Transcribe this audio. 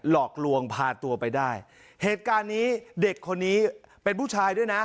หลอกลวงพาตัวไปได้เหตุการณ์นี้เด็กคนนี้เป็นผู้ชายด้วยนะ